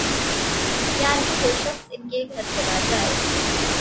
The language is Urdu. یعنی جو شخص ان کے گھر چلا جائے